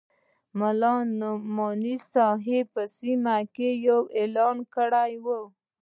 ملا نعماني صاحب په سیمو کې یو اعلان کړی وو.